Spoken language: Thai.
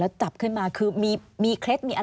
อันดับ๖๓๕จัดใช้วิจิตร